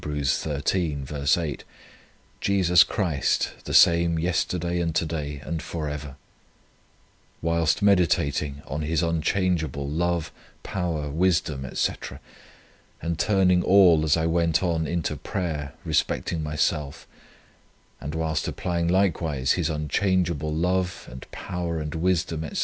xiii. 8, "Jesus Christ the same yesterday, and to day, and for ever." Whilst meditating on His unchangeable love, power, wisdom, &c. and turning all, as I went on, into prayer respecting myself; and whilst applying likewise His unchangeable love, and power and wisdom, &c.